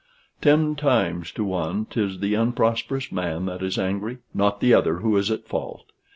Ten times to one 'tis the unprosperous man that is angry, not the other who is in fault.